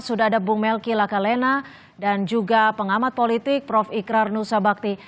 sudah ada bung melki lakalena dan juga pengamat politik prof ikrar nusa bakti